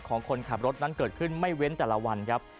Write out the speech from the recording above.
คนขับรถนั้นเกิดขึ้นไม่เว้นแต่ละวันครับ